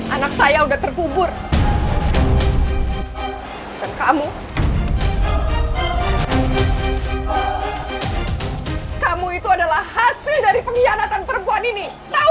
anak saya udah terkubur dan kamu itu adalah hasil dari pengkhianatan perempuan ini tahu